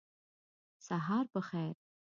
سهار په خیر !